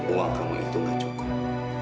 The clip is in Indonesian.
uang kamu itu gak cukup